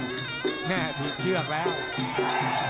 แน่พี่เชื่อวะแหละ